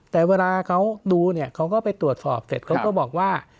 แต่เวลาเขาดูเนี่ยเขาก็ไปตรวจสอบเสร็จเขาก็บอกว่า